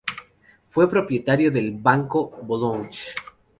Fue propietario del Banco de Boulogne.